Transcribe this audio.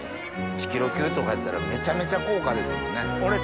１ｋｇ級とかやったらめちゃめちゃ高価ですもんね。